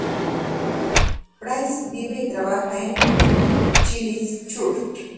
Price vive y trabaja en Christchurch.